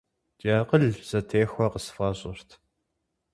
Ди акъыл зэтехуэ къысфӀэщӀырт.